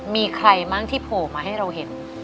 มีใครบ้างที่โผล่มาให้เราเห็น